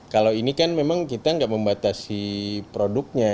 kalau ini kan memang kita nggak membatasi produknya